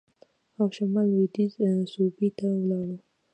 او شمال لوېدیځې صوبې ته ولاړل.